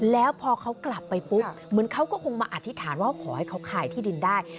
แล้วพอเขากลับไปปุ๊บเหมือนเขาก็คงมาอธิษฐานว่าขอให้เขาขายที่ดินได้